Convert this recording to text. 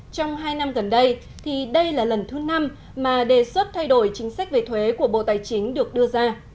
trong hai năm gần đây thì đây là lần thứ năm mà đề xuất thay đổi chính sách về thuế của bộ tài chính được đưa ra